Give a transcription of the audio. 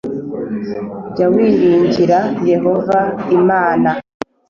Jya wiringira Yehova Imana